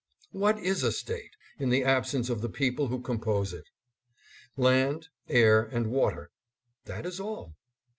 What is a State, in the absence of the people who compose it? Land, air and water. That is all.